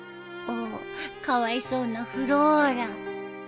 おおかわいそうなフローラ